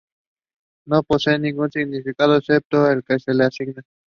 No poseen ningún significado, excepto el que se les asigna.